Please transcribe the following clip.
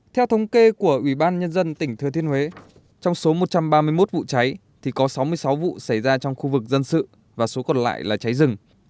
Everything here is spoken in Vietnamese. theo thống kê của ủy ban nhân dân tỉnh thừa thiên huế trong số một trăm ba mươi một vụ cháy thì có sáu mươi sáu vụ xảy ra trong khu vực dân sự và số còn lại là cháy rừng